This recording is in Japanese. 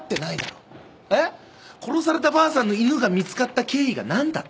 殺されたばあさんの犬が見つかった経緯が何だって？